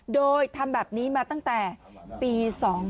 โดยทำแบบนี้มาตั้งแต่ปี๒๕๕